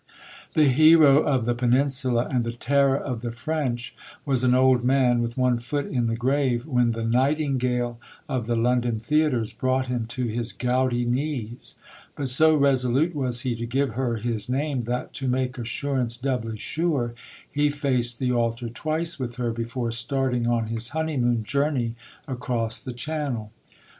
The hero of the Peninsula and the terror of the French was an old man, with one foot in the grave, when the "nightingale" of the London theatres brought him to his gouty knees; but so resolute was he to give her his name that, to make assurance doubly sure, he faced the altar twice with her, before starting on his honeymoon journey across the Channel.